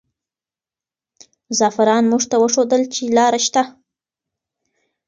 زعفران موږ ته وښودل چې لاره شته.